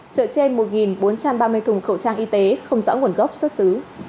trợ trên một bốn trăm ba mươi thùng khẩu trang y tế không rõ nguồn gốc xuất xứ